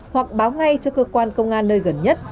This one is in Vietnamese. hoặc báo ngay cho cơ quan công an nơi gần nhất